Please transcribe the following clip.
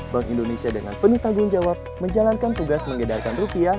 bank indonesia dengan penuh tanggung jawab menjalankan tugas mengedarkan rupiah